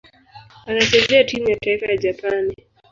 Anachezea timu ya taifa ya Japani.